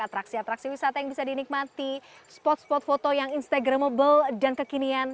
atraksi atraksi wisata yang bisa dinikmati spot spot foto yang instagramable dan kekinian